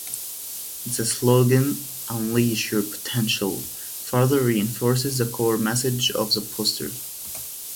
The slogan "Unleash Your Potential" further reinforces the core message of the poster.